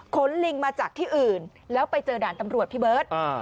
ลิงมาจากที่อื่นแล้วไปเจอด่านตำรวจพี่เบิร์ต